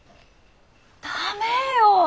駄目よ。